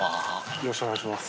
よろしくお願いします。